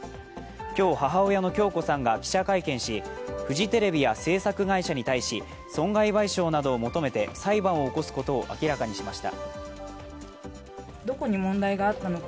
今日、母親の響子さんが記者会見しフジテレビや制作会社に対し損害賠償などを求めて裁判を起こすことを明らかにしました。